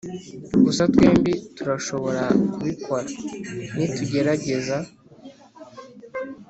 gusa twembi turashobora kubikora nitugerageza.